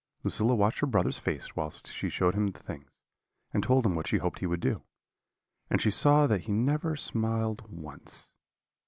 "Lucilla watched her brother's face whilst she showed him the things, and told him what she hoped he would do; and she saw that he never smiled once.